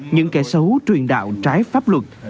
những kẻ xấu truyền đạo trái pháp luật